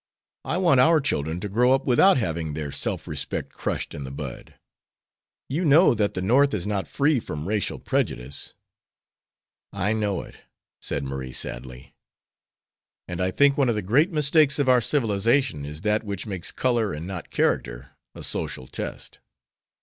I want our children to grow up without having their self respect crushed in the bud. You know that the North is not free from racial prejudice." "I know it," said Marie, sadly, "and I think one of the great mistakes of our civilization is that which makes color, and not character, a social test."